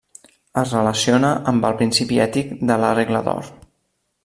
Es relaciona amb el principi ètic de la regla d'Or.